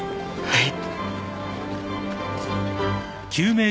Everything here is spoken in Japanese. はい。